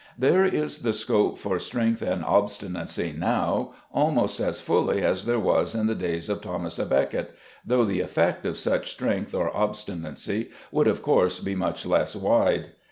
There is the scope for strength and obstinacy now almost as fully as there was in the days of Thomas à Becket, though the effects of such strength or obstinacy would of course be much less wide.